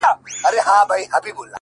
o نو زنده گي څه كوي،